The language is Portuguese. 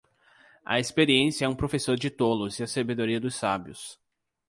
A experiência é um professor de tolos e a sabedoria dos sábios.